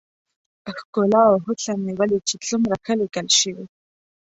ښکلا او حسن مې وليد چې څومره ښه ليکل شوي.